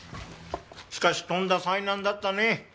しかしとんだ災難だったねぇ。